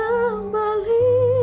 kau pintar ku kembali